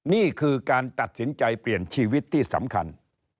นี่คือการตัดสินใจเปลี่ยนชีวิตที่สำคัญ